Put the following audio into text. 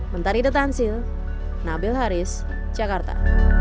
mentari the tansil nabil haris jakarta